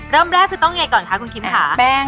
เริ่มแรกคือต้องยังไงค่ะคุณคิมคะ